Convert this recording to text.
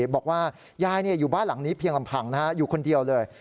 บอกว่ายายอยู่บ้านหลังนี้เพียงลำพังอยู่คนเดียวเลย